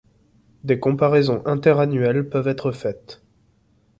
Des comparaisons internannuelles peuvent être faites.